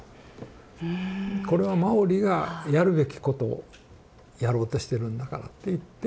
これはマオリがやるべきことをやろうとしてるんだからって言って。